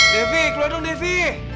devi keluar dong devi